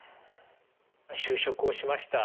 就職をしました。